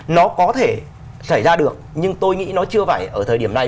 nó có thể xảy ra được nhưng tôi nghĩ nó chưa phải ở thời điểm này